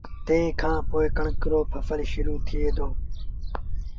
تنهن کآݩ پو ڪڻڪ رو ڦسل شرو ٿئي دو